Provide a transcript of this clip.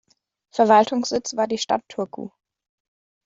Verwaltungssitz war die Stadt Turku.